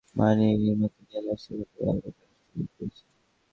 বুধবার রাতেই জহুরুল তাঁর বাবা-মাকে নিয়ে ব্যক্তিগত গাড়ি চালিয়ে রাজশাহী ফিরছিলেন।